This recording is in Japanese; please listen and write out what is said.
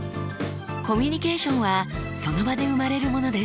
コミュニケーションはその場で生まれるものです。